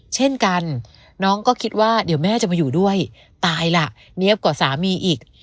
เช่นกันน้องก็คิดว่าเดี๋ยวแม่จะมาอยู่ด้วยตายล่ะเนี๊ยบกว่าสามีอีก